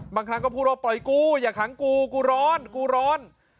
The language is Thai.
บางครั้งก็พูดว่าปล่อยกูอย่าขังกูกูร้อนกูร้อน